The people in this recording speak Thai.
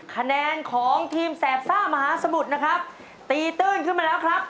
คะแนนของทีมแสบซ่ามหาสมุทรนะครับตีตื้นขึ้นมาแล้วครับ